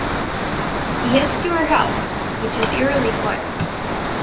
He heads to her house, which is eerily quiet.